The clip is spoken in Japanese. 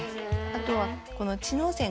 あとは。